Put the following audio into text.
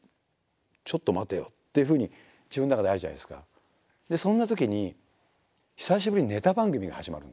ちょっと待てよ」っていうふうに自分の中であるじゃないですか。でそんなときに久しぶりにネタ番組が始まるんですよ。